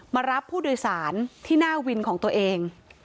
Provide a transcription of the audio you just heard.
มารับผู้โดยสารที่หน้าวินของตัวเอง